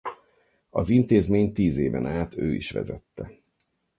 Az intézményt tíz éven át ő is vezette.